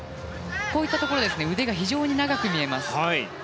こういったところ腕が非常に長く見えます。